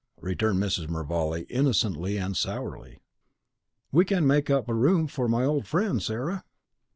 returned Mrs. Mervale, innocently and sourly. "We can make up a room for my old friend, Sarah?"